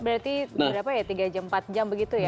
berarti berapa ya tiga jam empat jam begitu ya